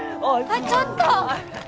あっちょっと！